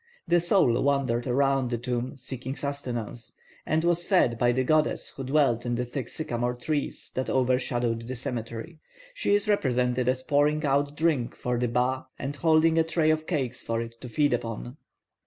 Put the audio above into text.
The soul wandered around the tomb seeking sustenance, and was fed by the goddess who dwelt in the thick sycomore trees that overshadowed the cemetery. She is represented as pouring out drink for the ba and holding a tray of cakes for it to feed upon.